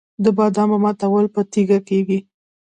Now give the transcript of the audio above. د بادامو ماتول په تیږه کیږي.